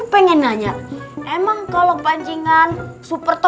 jangan boleh ikut